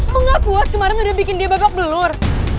aku gak puas kemarin udah bikin dia babak belur